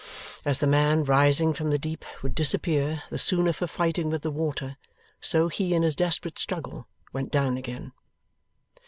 As the man rising from the deep would disappear the sooner for fighting with the water, so he in his desperate struggle went down again.